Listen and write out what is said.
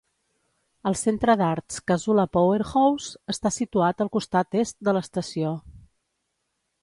El centre d'arts Casula Powerhouse està situat al costat est de l'estació.